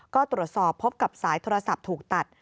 ก็ตรวจสอบพบกับสายโทรศัพท์ถูกตัด